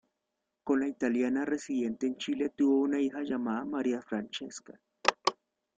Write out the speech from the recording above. Con la italiana residente en Chile tuvo una hija, llamada María Francesca.